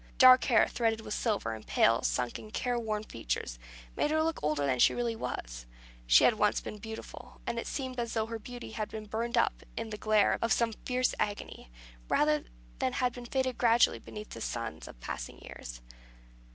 Dark hair, threaded with silver, and pale, sunken, care worn features, made her look older than she really was. She had once been beautiful; and it seemed as though her beauty had been burned up in the glare of some fierce agony, rather than had faded gradually beneath the suns of passing years.